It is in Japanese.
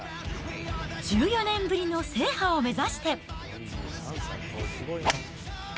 １４年ぶりの制覇を目指して。